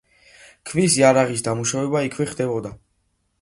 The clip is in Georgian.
ქვის იარაღის დამუშავება იქვე ხდებოდა.